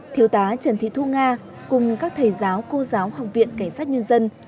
thiếu tá trần thị thu nga cùng các thầy giáo cô giáo học viện cảnh sát nhân dân